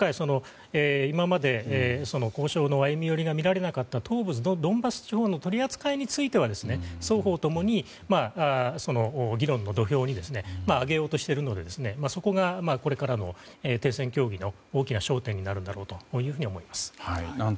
これまで、交渉の歩み寄りが見られなかった東部ドンバス地方の取り扱いについては、双方共に議論の土俵に上げようとしているのでそこがこれからの停戦協議の大きな焦点になると思います。